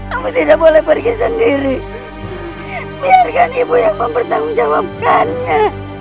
aku tidak boleh pergi sendiri biarkan ibu yang mempertanggungjawabkannya